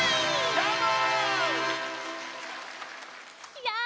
どーも！